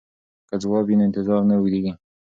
که ځواب وي نو انتظار نه اوږدیږي.